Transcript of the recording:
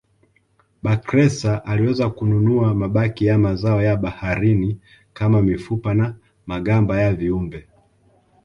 Bakhresa aliweza kununua mabaki ya mazao ya baharini kama mifupa na magamba ya viumbe